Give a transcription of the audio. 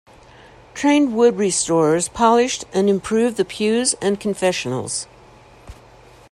Trained wood restorers polished and improved the pews and confessionals.